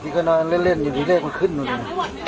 ที่กำลังเล่นอยู่ที่เล่นก็ขึ้นมาเลย